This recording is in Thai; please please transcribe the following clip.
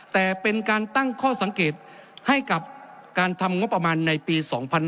แต่เป็นการตั้งข้อสังเกตให้กับการทำงบประมาณในปี๒๕๕๙